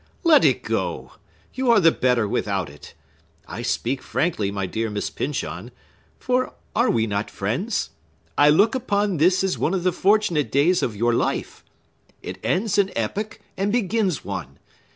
"Let it go! You are the better without it. I speak frankly, my dear Miss Pyncheon!—for are we not friends? I look upon this as one of the fortunate days of your life. It ends an epoch and begins one.